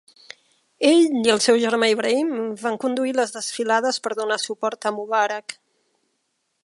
Ell i el seu germà Ibrahim van conduir les desfilades per donar suport a Mubarak.